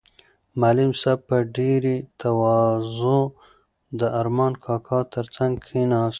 معلم صاحب په ډېرې تواضع د ارمان کاکا تر څنګ کېناست.